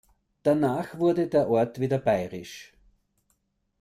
Danach wurde der Ort wieder bayerisch.